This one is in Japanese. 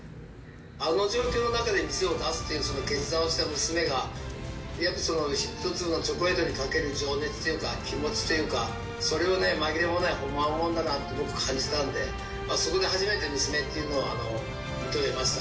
あの状況の中で、店を出す決断をした娘が、やっぱその、一つのチョコレートにかける情熱というか、気持ちっていうか、それをね、まぎれもないほんまもんだなって、僕感じたんで、そこで初めて娘っていうのを受け入れました。